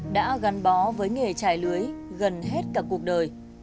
đã gắn bó với nghề trải lưới gần hết cả cuộc đời